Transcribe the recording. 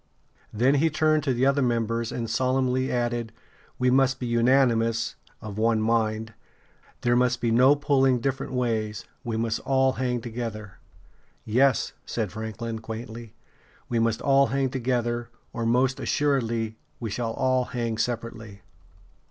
Then he turned to the other members, and solemnly added: "We must be unanimous [of one mind]; there must be no pulling different ways; we must all hang together." "Yes," said Franklin, quaintly: "we must all hang together, or most assuredly we shall all hang separately."